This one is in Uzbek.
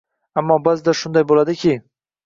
Ammo, baʼzida shunday bo‘ladiki.